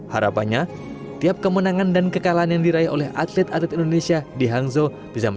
harapannya tiap kemenangan dan kekalahan yang diraih oleh atlet atlet indonesia di hangzhou bisa mencapai